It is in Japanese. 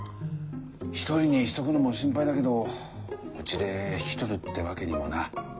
一人にしとくのも心配だけどうちで引き取るってわけにもな。